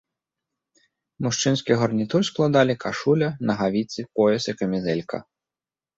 Мужчынскі гарнітур складалі кашуля, нагавіцы, пояс і камізэлька.